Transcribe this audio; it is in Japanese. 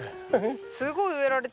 すごい植えられちゃう。